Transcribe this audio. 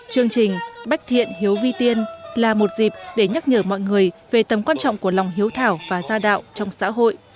chương trình bách thiện hiếu vi tiên là một dịp để nhắc nhở mọi người về tầm quan trọng của lòng hiếu thảo và gia đạo trong xã hội